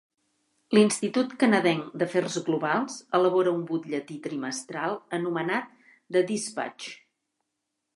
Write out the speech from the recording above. L'Institut canadenc d'afers globals elabora un butlletí trimestral anomenat "The Dispatch".